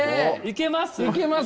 いけます！